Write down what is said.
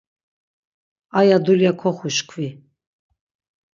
Aya dulya koxuşkvi.